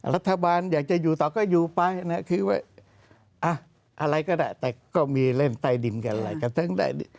รัฐบาลอยากจะอยู่ต่อก็อยู่ไปคือว่าอะไรก็ได้แต่ก็มีเล่นใต้ดินกันเลย